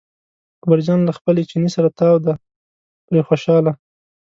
اکبر جان له خپل چیني سره تاو دی پرې خوشاله.